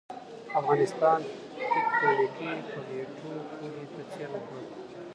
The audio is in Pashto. افغانستان تکتونیکي پلیټو پولې ته څېرمه پروت دی